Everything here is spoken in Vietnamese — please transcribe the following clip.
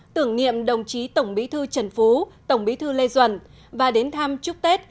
tưởng niệm đồng chí tổng bí thư trần phú tổng bí thư lê duẩn và đến thăm chúc tết